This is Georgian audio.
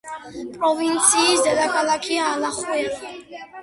პროვინციის დედაქალაქია ალახუელა.